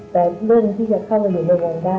แต่เรื่องที่จะเข้าไปอยู่ในวังได้